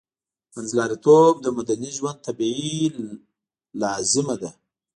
منځلاریتوب د مدني ژوند طبیعي لازمه ده